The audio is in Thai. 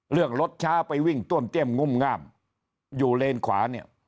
เรื่องรถช้าไปวิ่งต้วมเตี้ยมงุ่มงามอยู่เลนขวาเนี่ย